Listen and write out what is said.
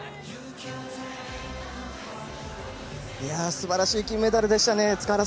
素晴らしい金メダルでしたね。